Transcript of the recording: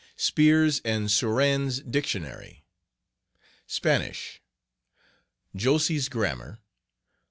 *Spier's and Surenne's Dictionary. Spanish...................Josse's Grammar.